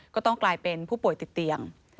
ก็ต้องกลายเป็นผู้ป่วยติดเตียง